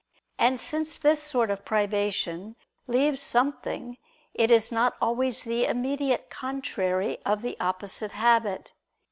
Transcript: And since this sort of privation leaves something, it is not always the immediate contrary of the opposite habit.